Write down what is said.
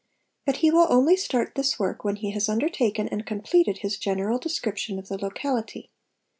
But he will only start this work when he has undertaken and completed his general description of the locality.